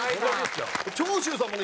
長州さんもね